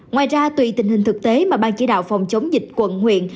ngoài ra tùy tình hình thực tế mà ban chỉ đạo phòng chống dịch quận huyện